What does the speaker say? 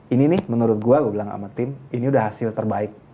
ini nih menurut gue gue bilang sama tim ini udah hasil terbaik